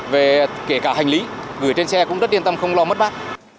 về kể cả hành lý người trên xe cũng rất yên tâm không lo mất bác